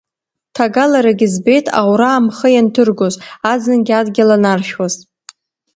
Ҭагаларагь збеит аура амхы ианҭыргоз, аӡынгьы адгьыл анаршәуаз.